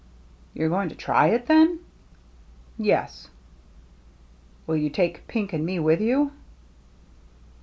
" You're going to try it, then ?" "Yes." " Will you take Pink and me with you